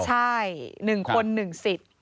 ใช่๑คน๑สิทธิ์